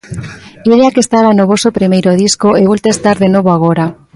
Idea que estaba no voso primeiro disco e volta estar de novo agora.